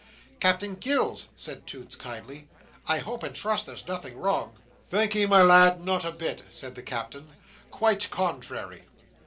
"Captain Gills," said Toots, kindly, "I hope and trust there's nothing wrong?" "Thank'ee, my lad, not a bit," said the Captain. "Quite contrairy."